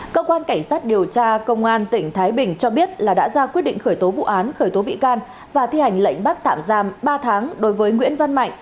cơ quan cảnh sát điều tra công an tỉnh thái bình cho biết là đã ra quyết định khởi tố vụ án khởi tố bị can và thi hành lệnh bắt tạm giam ba tháng đối với nguyễn văn mạnh